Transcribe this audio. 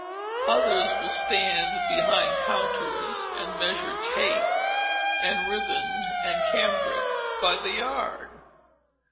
Others will stand behind counters, and measure tape, and ribbon, and cambric, by the yard.